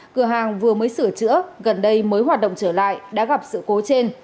cửa hàng vừa mới sửa chữa gần đây mới hoạt động trở lại đã gặp sự cố trên